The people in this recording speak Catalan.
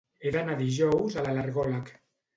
He d'anar dijous a l'al·lergòleg.